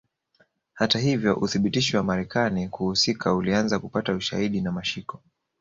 Hata hivyo uthibitisho wa Marekani kuhusika ulianza kupata ushahidi na mashiko